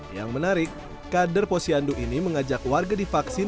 yang menarik kader posyandu ini mengajak warga divaksin